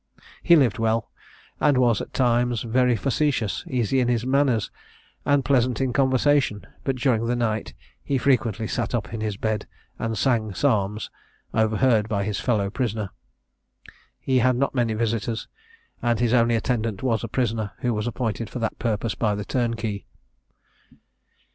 He lived well, and was at times very facetious, easy in his manners, and pleasant in conversation; but during the night he frequently sat up in his bed and sang psalms, overheard by his fellow prisoner. He had not many visitors, and his only attendant was a prisoner, who was appointed for that purpose by the turnkey.